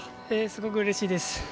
すごくうれしいです。